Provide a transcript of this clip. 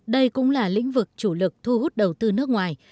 đây cũng là lĩnh vực chủ lực thu hút đầu tư nước ngoài